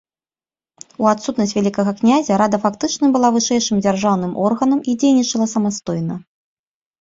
У адсутнасць вялікага князя рада фактычна была вышэйшым дзяржаўным органам і дзейнічала самастойна.